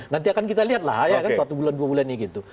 nanti akan kita lihat lah ya kan satu bulan dua bulan ini gitu